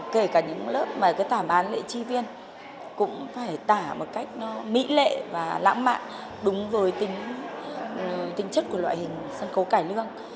kể cả những lớp mà cái tảm bán lễ tri viên cũng phải tả một cách nó mỹ lệ và lãng mạn đúng với tính chất của loại hình sân khấu cải lương